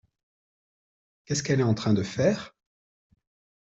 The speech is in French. Qu’est-ce qu’elle est en train de faire ?